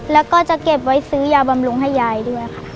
แล้วก็จะเก็บไว้ซื้อยาบำรุงให้ยายด้วยค่ะ